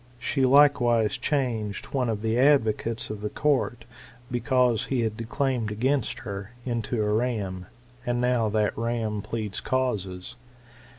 *' She likewise changed one of the advocates of the court, because he had declaimed against her, into a ram ; and now that ram pleads causes.